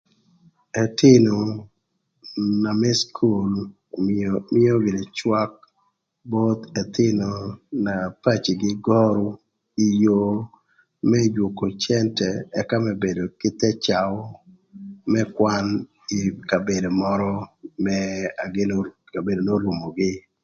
Ëthïnö na më cukul onyo mïö gïnï cwak both ëthïnö na pacigï görü ï yoo më jwoko cëntë ëka më bedo kï thë caü më kwan ï kabedo mörö n'orumogï.